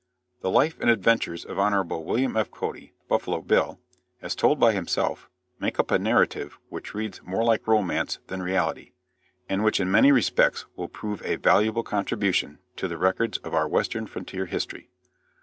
The life and adventures of Hon. William F. Cody Buffalo Bill as told by himself, make up a narrative which reads more like romance than reality, and which in many respects will prove a valuable contribution to the records of our Western frontier history.